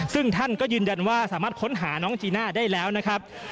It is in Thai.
ซึ่งท่านก็ยืนยันว่าสามารถค้นหาน้องจีน่าได้แล้วนะครับ